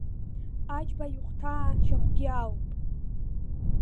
Аџьба ихәҭаа шьахәгьы алоуп.